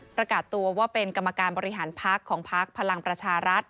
ประกาศตัวว่าเป็นกรรมการบริหารพักของพักพลังประชารัฐ